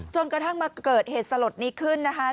จนกระทั่งมาเกิดเหตุสลดนี้ขึ้นนะคะ